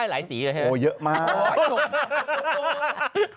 โหยเยอะมาก